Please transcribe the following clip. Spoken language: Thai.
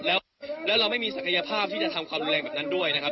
แล้วเราไม่มีศักยภาพที่จะทำความรุนแรงแบบนั้นด้วยนะครับ